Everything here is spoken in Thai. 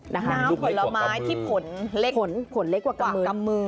น้ำผลไม้ที่ผลเล็กผลเล็กกว่ากำมือ